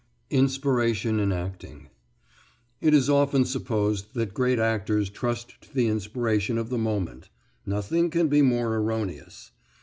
INSPIRATION IN ACTING It is often supposed that great actors trust to the inspiration of the moment. Nothing can be more erroneous.